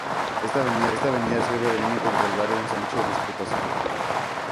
Esta avenida sirve de límite entre el barrio Ensanche Diputación y el Centro.